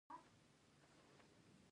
د پردیو کلمو زیاتوالی خطر لري.